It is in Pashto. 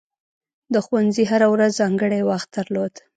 د ښوونځي هره ورځ ځانګړی وخت درلود.